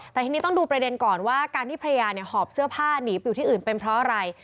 แต่ทีนี้ต้องดูประเด็นก่อนว่าการที่ภรรยาหอบเสื้อผ้าหนีไปอยู่ที่อื่นเป็นเพราะอะไร